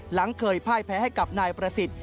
หลังเคยพ่ายแพ้ให้กับนายประสิทธิ์